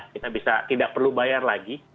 kita bisa tidak perlu bayar lagi